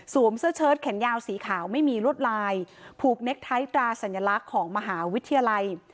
เสื้อเชิดแขนยาวสีขาวไม่มีลวดลายผูกเน็กไทยตราสัญลักษณ์ของมหาวิทยาลัย